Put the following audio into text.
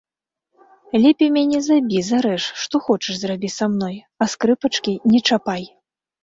Лепей мяне забі, зарэж, што хочаш зрабі са мной, а скрыпачкі не чапай!